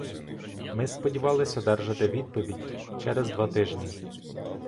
Ми сподівались одержати відповідь через два тижні.